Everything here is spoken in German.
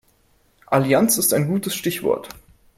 Allianz ist ein gutes Stichwort.